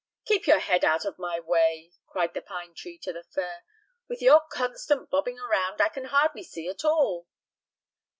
"Keep your head out of my way!" cried the pine tree to the fir; "with your constant bobbing around I can hardly see at all."